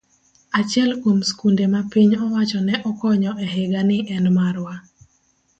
Achiel kuom skunde ma piny owacho ne okonyo e higani en marwa.